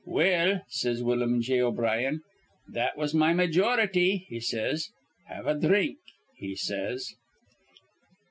'Well,' says Willum J. O'Brien, 'that was my majority,' he says. 'Have a dhrink,' he says."